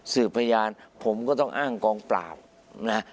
พยานผมก็ต้องอ้างกองปราบนะ